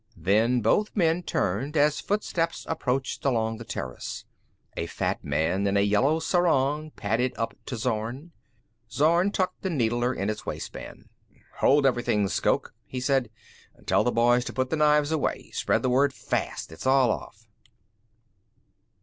Then both men turned as footsteps approached along the terrace. A fat man in a yellow sarong padded up to Zorn. Zorn tucked the needler in his waistband. "Hold everything, Shoke," he said. "Tell the boys to put the knives away. Spread the word fast. It's all off."